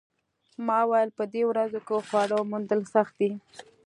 ما وویل په دې ورځو کې خواړه موندل سخت دي